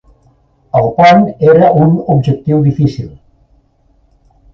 El pont era un objectiu difícil.